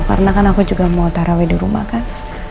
karena kan aku juga mau tarawih di rumah kan